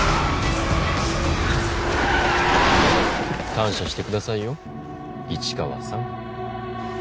感謝してくださいよ市川さん。